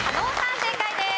正解です。